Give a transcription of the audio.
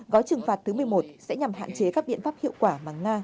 gói trừng phạt thứ một mươi một sẽ nhằm hạn chế các biện pháp hiệu quả mà nga